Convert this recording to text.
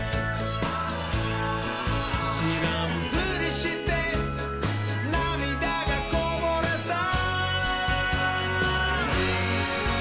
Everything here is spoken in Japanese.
「しらんぷりしてなみだがこぼれた」